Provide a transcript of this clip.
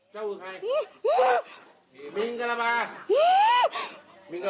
เป็นผู้ชายหรือผู้หญิง